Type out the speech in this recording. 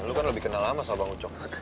lu kan lebih kenal lama sama bang ucok